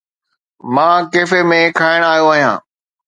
مان ڪيفي ۾ کائڻ آيو آهيان.